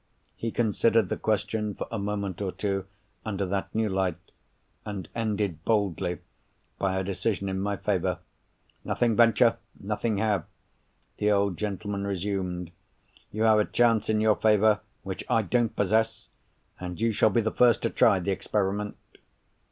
He considered the question for a moment or two, under that new light, and ended boldly by a decision in my favour. "Nothing venture, nothing have," the old gentleman resumed. "You have a chance in your favour which I don't possess—and you shall be the first to try the experiment."